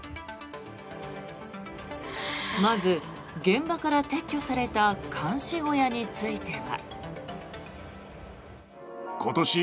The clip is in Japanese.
まず、現場から撤去された監視小屋については。